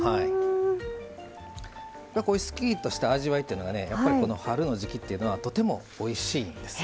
こういうすっきりとした味わいというのがねやっぱり春の時季というのはとてもおいしいんです。